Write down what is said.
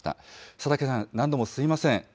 佐竹さん、何度もすみません。